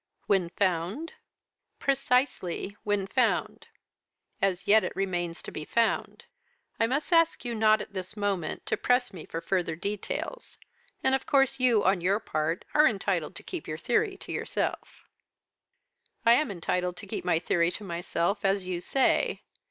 "'When found?' "'Precisely when found. As yet it still remains to be found. I must ask you not, at this moment, to press me for further details, and of course you, on your part, are entitled to keep your theory to yourself.' "'I am entitled to keep my theory to myself, as you say.